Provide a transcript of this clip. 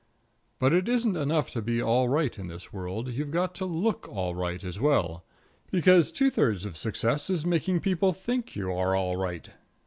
But it isn't enough to be all right in this world; you've got to look all right as well, because two thirds of success is making people think you are all right.